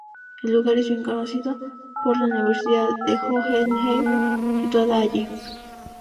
El lugar es bien conocido por la Universidad de Hohenheim, situada allí.